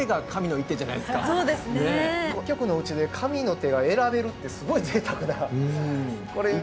一局のうちで神の手が選べるってすごいぜいたくな一局で。